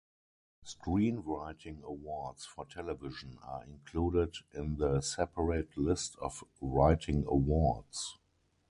Screenwriting awards for television are included in the separate list of writing awards.